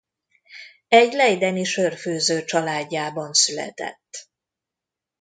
Egy leideni sörfőző családjában született.